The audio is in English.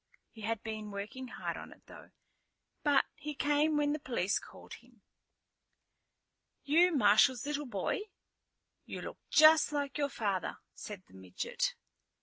He had been working hard on it, though; but he came when the police called him. "You Marshal's little boy? You look just like your father," said the midget.